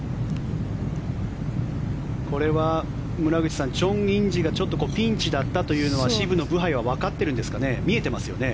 これは、村口さんチョン・インジがちょっとピンチだったということは渋野、ブハイはわかってるんですかね見えていますよね？